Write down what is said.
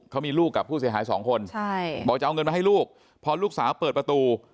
เขามีลูกกับผู้เสียหายสองคนใช่บอกจะเอาเงินมาให้ลูกพอลูกสาวเปิดประตู